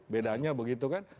bedanya begitu kan